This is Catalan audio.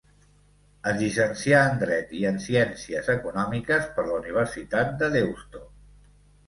Es llicencià en dret i en ciències econòmiques per la Universitat de Deusto.